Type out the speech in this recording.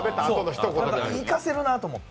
だから、生かせるなと思って。